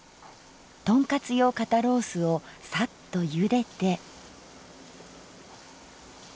とんかつ用肩ロースをサッとゆでて。